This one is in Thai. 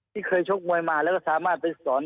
ที่เคยชกมวยมาแล้วก็สามารถไปสอน